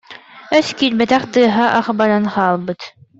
Өс киирбэх, тыаһа ах баран хаалбыт